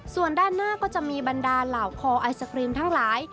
ส่วนด้านหน้าก็จะมีบรรดาเหล่าคอไอศครีมทั้งหลาย